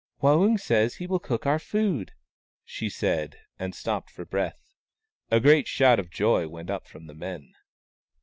" Waung says he will cook our food !" said she, and stopped for breath. A great shout of joy went up from the men.